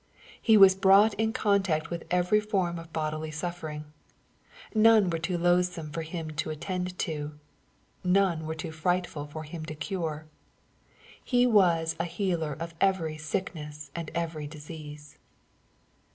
He was brought in contact with every form of bodily suffering. None were too loathsome for Him to attend to. None were too fiightful for Him to cure. He was a healer of every ^' sickness and every disease."